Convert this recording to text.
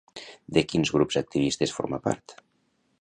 De quins grups activistes forma part?